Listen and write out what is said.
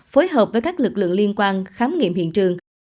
phối hợp với các lực lượng liên quan khám nghiệm hiện trường